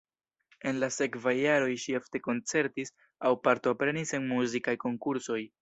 En la sekvaj jaroj ŝi ofte koncertis aŭ partoprenis en muzikaj konkursoj.